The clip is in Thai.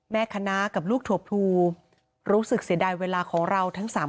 คณะกับลูกถั่วพลูรู้สึกเสียดายเวลาของเราทั้ง๓คน